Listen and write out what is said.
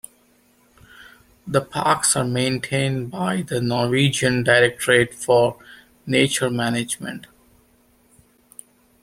The parks are maintained by the Norwegian Directorate for Nature Management.